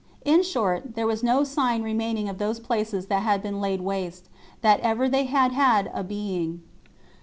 In short, there was no sign remaining of those places that had been laid waste, that ever they had had a being.